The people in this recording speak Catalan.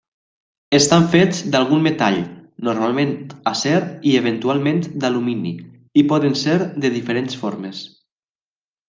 Estan fets d'algun metall, normalment acer i eventualment d'alumini, i poden ser de diferents formes.